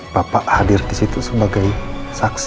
bapak hadir disitu sebagai saksi